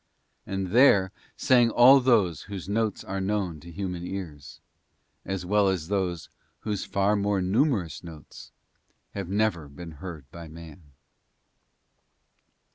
And there sang all those whose notes are known to human ears, as well as those whose far more numerous notes have never been heard by man.